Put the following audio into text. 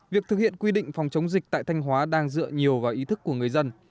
việc thực hiện quy định phòng chống dịch tại thanh hóa đang dựa nhiều vào ý thức của người dân